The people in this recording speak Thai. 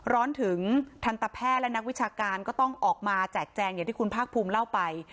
ร้อนถึงทันตแพทย์และนักวิชาการก็ต้องออกมาแจกแจงอย่างที่คุณภาคภูมิเล่าไป